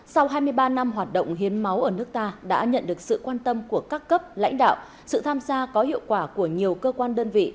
sau hai mươi ba năm hoạt động hiến máu ở nước ta đã nhận được sự quan tâm của các cấp lãnh đạo sự tham gia có hiệu quả của nhiều cơ quan đơn vị